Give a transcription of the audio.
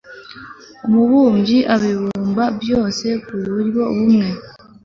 umubumbyi abibumba byose ku buryo bumwe